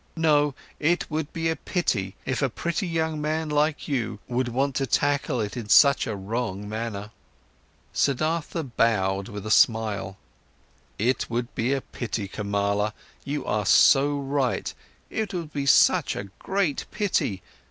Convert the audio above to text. No, it would be a pity, if a pretty young man like you would want to tackle it in such a wrong manner." Siddhartha bowed with a smile. "It would be a pity, Kamala, you are so right! It would be such a great pity.